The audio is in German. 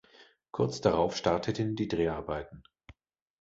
Kurz darauf starteten die Dreharbeiten.